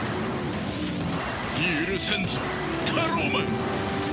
許さんぞタローマン！